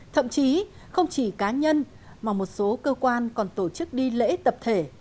thậm chí không chỉ cá nhân mà một số cơ quan còn tổ chức đi lễ tập thể